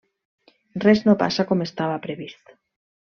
Res no passa com estava previst.